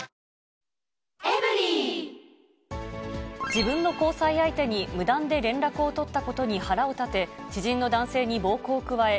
自分の交際相手に無断で連絡を取ったことに腹を立て、知人の男性に暴行を加え、